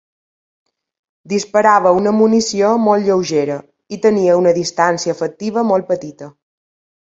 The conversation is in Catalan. Disparava una munició molt lleugera i tenia una distància efectiva molt petita.